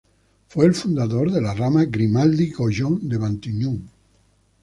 Fue el fundador de la rama Grimaldi-Goyon de Matignon.